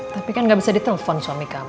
tapi kan gak bisa ditelepon suami kami